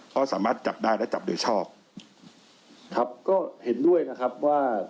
ก็สามารถจับได้และจับโดยชอบครับก็เห็นด้วยนะครับว่า